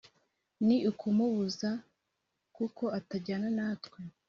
Ni ukumubuza kuko atajyana natwe